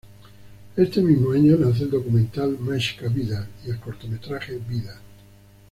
Este mismo año nace el documental "Máis ca vida" y el cortometraje "Vida".